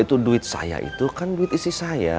itu duit saya itu kan duit isi saya